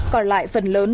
còn lại phần lớn